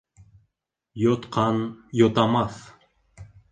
Йотҡан йотамаҫ.